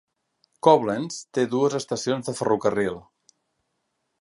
Koblenz té dues estacions de ferrocarril.